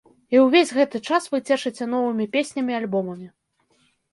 І ўвесь гэты час вы цешыце новымі песнямі, альбомамі.